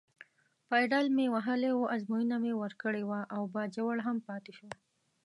پایډل مې وهلی و، ازموینه مې ورکړې وه او باجوړ هم پاتې شو.